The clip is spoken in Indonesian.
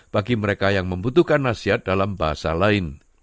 bagi mereka yang membutuhkan nasihat dalam bahasa lain